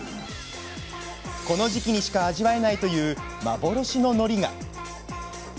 この時期にしか味わえないという幻の、のりが。